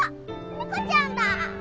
ネコちゃんだ！